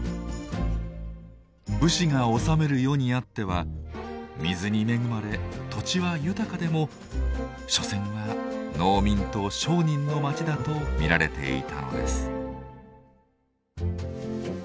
武士が治める世にあっては水に恵まれ土地は豊かでも所詮は農民と商人の街だと見られていたのです。